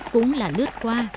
cũng là lướt qua